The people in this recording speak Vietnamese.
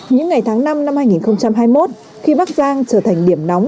những ngày tháng năm năm hai nghìn hai mươi một khi bắc giang trở thành điểm nóng